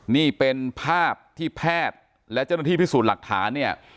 นี่เป็นภาพที่แพทย์และเจ้าหน้าที่พิสูจน์หลักฐานเนี่ย